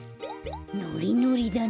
ノリノリだね。